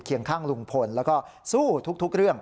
ข้างลุงพลแล้วก็สู้ทุกเรื่อง